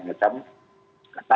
memang karena tahun karakan ter